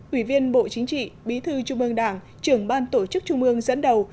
ủy viên bộ chính trị bí thư trung ương đảng trưởng ban tổ chức trung ương dẫn đầu